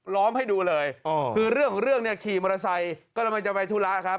ล้อมให้ดูเลยคือเรื่องของเรื่องเนี่ยขี่มอเตอร์ไซค์กำลังจะไปธุระครับ